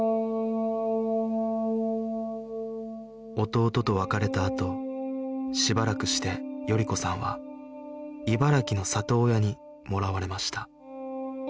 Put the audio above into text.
弟と別れたあとしばらくして賀子さんは茨城の里親にもらわれました